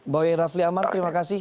boy rafli amar terima kasih